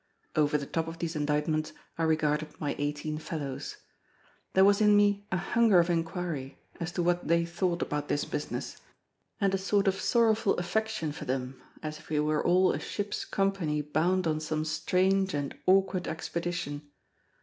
Over the top of these indictments I regarded my eighteen fellows. There was in me a hunger of inquiry, as to what they thought about this business; and a sort of sorrowful affection for them, as if we were all a ship's company bound on some strange and awkward expedition.